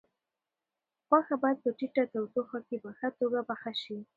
غوښه باید په ټیټه تودوخه کې په ښه توګه پخه شي.